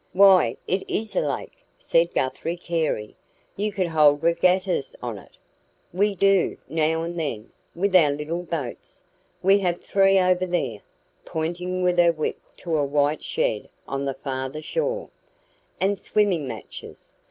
"Why, it is a lake," said Guthrie Carey. "You could hold regattas on it." "We do, now and then, with our little boats. We have three over there" pointing with her whip to a white shed on the farther shore. "And swimming matches.